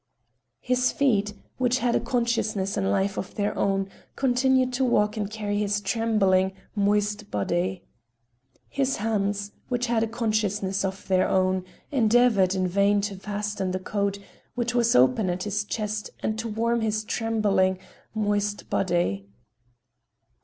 His feet, which had a consciousness and life of their own, continued to walk and to carry his trembling, moist body. His hands, which had a consciousness of their own, endeavored in vain to fasten the coat which was open at his chest and to warm his trembling, moist body.